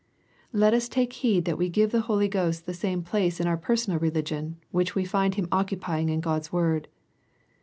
Let ns take heed that we give the Holy Ghost the same place in our personal religion, which we find Him occupying in God's word.